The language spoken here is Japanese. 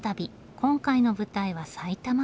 今回の舞台は埼玉県。